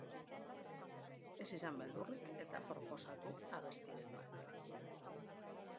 Ez izan beldurrik eta proposatu abestiren bat.